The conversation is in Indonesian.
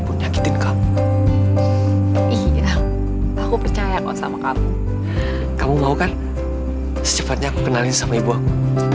aku nyakitin kamu iya aku percaya kok sama kamu kamu mau kan secepatnya aku kenalin sama ibu aku